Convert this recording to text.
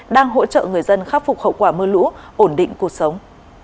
đang hỗ trợ người dân khắc phục hậu quả mưa lũ ổn định cuộc sống